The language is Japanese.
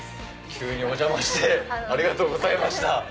急にお邪魔してありがとうございました。